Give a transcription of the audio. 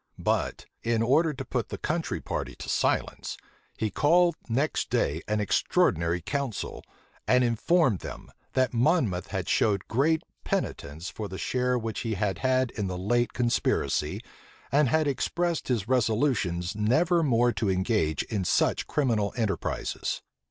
But, in order to put the country party to silence, he called next day an extraordinary council, and informed them, that Monmouth had showed great penitence for the share which he had had in the late conspiracy, and had expressed his resolutions never more to engage in such criminal enterprises.